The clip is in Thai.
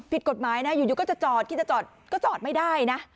ผิดกฎหมายนะอยู่ก็จะจอดคิดจะจอดก็จอดไม่ได้นะ